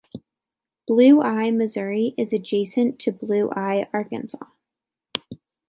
Blue Eye, Missouri is adjacent to Blue Eye, Arkansas.